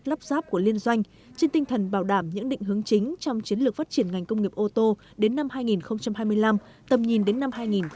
lắp ráp của liên doanh trên tinh thần bảo đảm những định hướng chính trong chiến lược phát triển ngành công nghiệp ô tô đến năm hai nghìn hai mươi năm tầm nhìn đến năm hai nghìn ba mươi